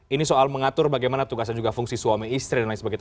ini soal mengatur bagaimana tugas dan juga fungsi suami istri dan lain sebagainya